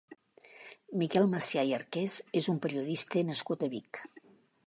Miquel Macià i Arqués és un periodista nascut a Vic.